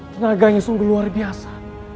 tenaganya sungguh luar biasa